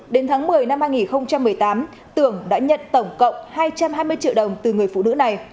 đến tháng một mươi năm hai nghìn một mươi tám tưởng đã nhận tổng cộng hai trăm hai mươi triệu đồng từ người phụ nữ này